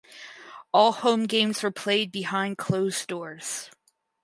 All home games were played behind closed doors.